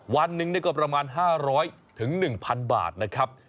วันหนึ่งก็ประมาณ๕๐๐๑๐๐บาทนะครับ